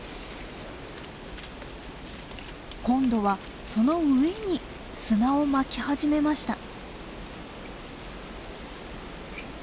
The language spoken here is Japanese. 今度はその上に砂をまき始めました。